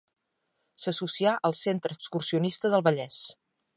S'associà al Centre Excursionista del Vallès.